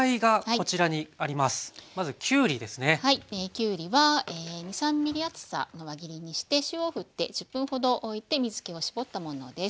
きゅうりは２３ｍｍ厚さの輪切りにして塩をふって１０分ほどおいて水けを絞ったものです。